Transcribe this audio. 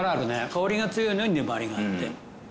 香りが強いのに粘りがあって。